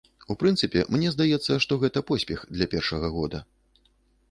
У прынцыпе, мне здаецца, што гэта поспех для першага года.